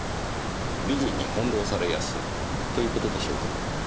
美人に翻弄されやすいという事でしょうか。